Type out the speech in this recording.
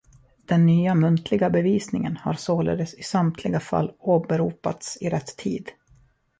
Den nya muntliga bevisningen har således i samtliga fall åberopats i rätt tid.